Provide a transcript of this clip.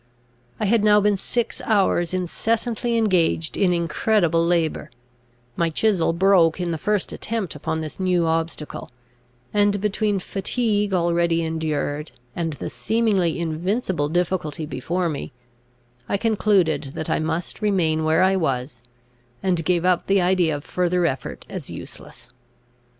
I had now been six hours incessantly engaged in incredible labour: my chisel broke in the first attempt upon this new obstacle; and between fatigue already endured, and the seemingly invincible difficulty before me, I concluded that I must remain where I was, and gave up the idea of further effort as useless.